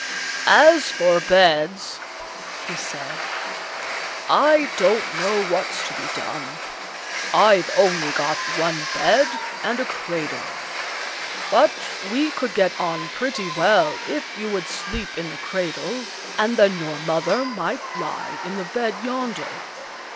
"As for beds," he said, "I don't know what's to be done. I've only got one bed and a cradle; but we could get on pretty well if you would sleep in the cradle, and then your mother might lie in the bed yonder."